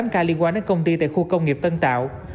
tám ca liên quan đến công ty tại khu công nghiệp tân tạo